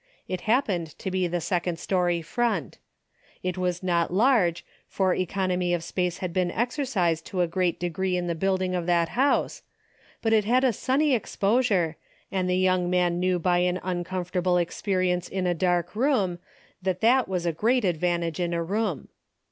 It happened to be the second story 156 "A DAILY BATE. front. It was not large, for economy of space had been exercised to a great degree in the building of that house, but it had a sunny ex posure, and the young man knew by an un comfortable experience in a dark room that that was a great advantage in a room.